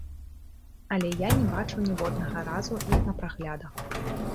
Але я не бачыў ніводнага разу іх на праглядах.